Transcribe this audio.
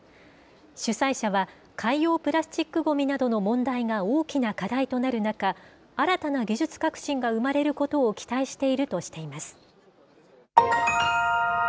主催者は、海洋プラスチックごみなどの問題が大きな課題となる中、新たな技術革新が生まれることを期待しているとしています。